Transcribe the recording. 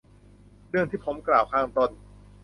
เรื่องที่ผมกล่าวข้างต้น